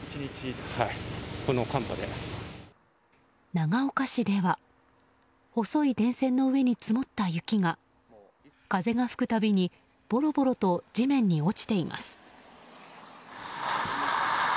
長岡市では細い電線の上に積もった雪が風が吹く度にボロボロと地面に落ちています。